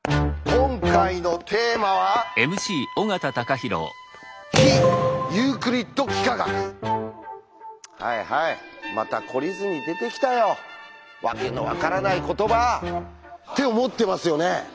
今回のテーマは「はいはいまた懲りずに出てきたよ訳の分からない言葉！」って思ってますよね？